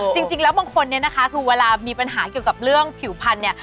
จริงแล้วบางคนเนี่ยนะคะคือเวลามีปัญหาเกี่ยวกับเรื่องผิวพันธุ์เนี่ย